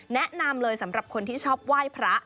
แนะนำเลยสำหรับคนที่ชอบไหว้พระ